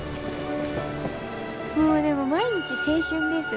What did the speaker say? もうでも毎日青春です。